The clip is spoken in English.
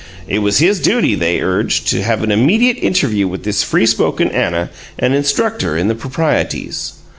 It was his duty, they urged, to have an immediate interview with this free spoken Anna and instruct her in the proprieties.